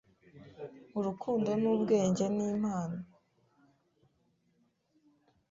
Urukundo n'ubwenge nimpano